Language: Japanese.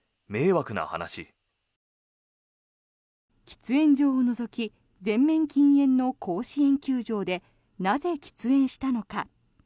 喫煙所を除き全面禁煙の甲子園球場でなぜ、喫煙したのか。